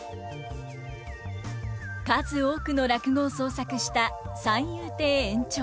数多くの落語を創作した三遊亭圓朝。